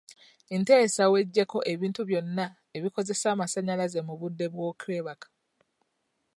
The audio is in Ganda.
Nteesa weggyeko ebintu byonna ebikozesa amasannyalaze mu budde bw'okwebaka.